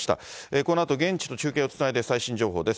このあと現地と中継をつないで、最新情報です。